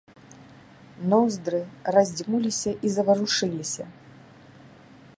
Ноздры раздзьмуліся і заварушыліся.